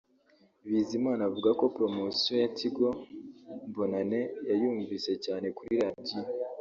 Bizimana avuga ko Poromosiyo ya Tigo Bonane yayunvise cyane kuri radiyo